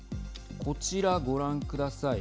こちら、ご覧ください。